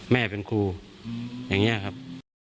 แม่เป็นครูอย่างนี้ครับ